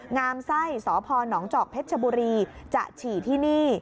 งามไส้สพหนองจอกเพชรชบุรีจะฉี่ที่นี่